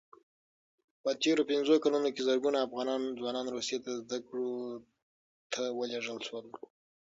په تېرو پنځو کلونو کې زرګونه افغان ځوانان روسیې ته زدکړو ته ولېږل شول.